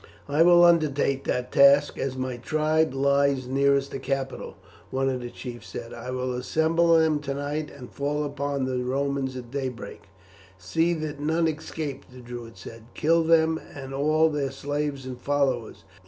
"I will undertake that task, as my tribe lies nearest the capital," one of the chiefs said. "I will assemble them tonight and fall upon the Romans at daybreak." "See that none escape," the Druid said. "Kill them and all their slaves and followers.